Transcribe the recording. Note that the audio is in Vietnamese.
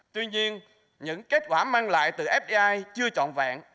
tuy nhiên những kết quả mang lại từ fdi chưa trọn vẹn